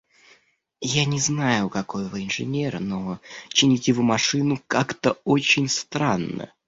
– Я не знаю, какой вы инженер, но… чините вы машину как-то очень странно.